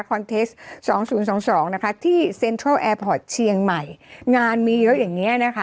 คอนเท็จ๒๐๒๒นะคะที่เซ็นทรัลแอร์พอร์ตเชียงใหม่งานมีเยอะอย่างเนี้ยนะคะ